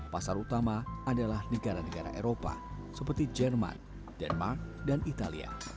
pasar utama adalah negara negara eropa seperti jerman denmark dan italia